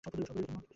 তো, অপেক্ষা কীসের?